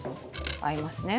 合いますね。